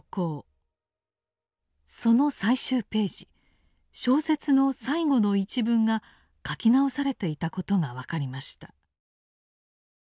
その最終ページ小説の最後の一文が書き直されていたことが分かりました。